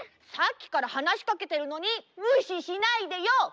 さっきからはなしかけてるのにむししないでよ。